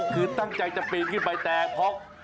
คือตั้งใจจะปีนขึ้นไปแต่พล็อก